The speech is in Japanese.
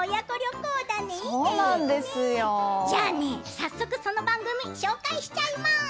早速、その番組紹介しちゃいます。